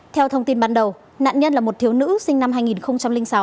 theo thông tin ban đầu nạn nhân là một thiếu nữ sinh năm hai nghìn sáu